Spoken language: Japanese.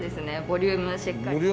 ボリュームしっかり。